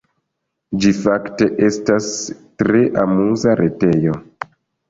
Ĝi fakte estas tre amuza retejo.